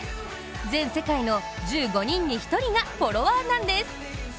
全世界の１５人に１人がフォロワーなんです。